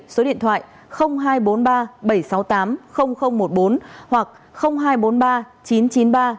số điện thoại hai trăm bốn mươi ba bảy trăm sáu mươi tám một mươi bốn hoặc hai trăm bốn mươi ba chín trăm chín mươi ba sáu nghìn một trăm một mươi tám